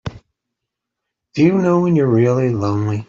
Do you know when you're really lonely?